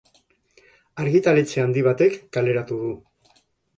Argitaletxe handi batek kaleratu du.